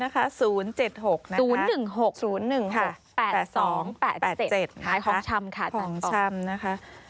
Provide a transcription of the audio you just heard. ๐๑๖๘๒๘๗ขายของชำค่ะตัดต่อ